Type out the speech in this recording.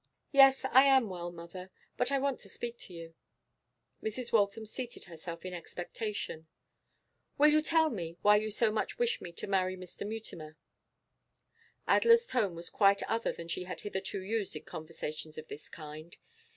'Yes, I am well, mother. But I want to speak to you.' Mrs. Waltham seated herself in expectation. 'Will you tell me why you so much wish me to marry Mr. Mutimer?' Adela's tone was quite other than she had hitherto used in conversations of this kind.